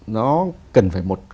nó cần phải một